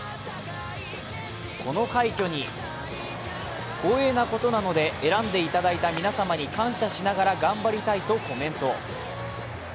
この快挙に、光栄なことなので選んでいただいた皆様に感謝しながら頑張りたいとコメント。